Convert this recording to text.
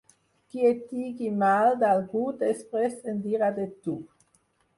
Qui et digui mal d'algú després en dirà de tu.